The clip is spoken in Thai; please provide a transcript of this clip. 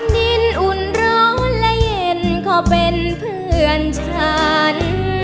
ดินอุ่นร้อนและเย็นก็เป็นเพื่อนฉัน